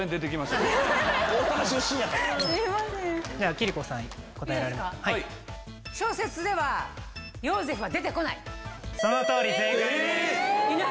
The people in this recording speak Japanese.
貴理子さん答えられますか。